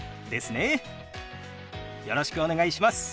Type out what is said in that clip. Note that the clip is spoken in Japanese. よろしくお願いします。